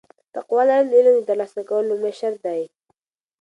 تقوا لرل د علم د ترلاسه کولو لومړی شرط دی.